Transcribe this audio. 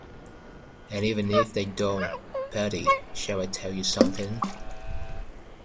And even if they don't — Bertie, shall I tell you something?